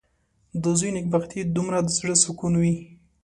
• د زوی نېکبختي د مور د زړۀ سکون وي.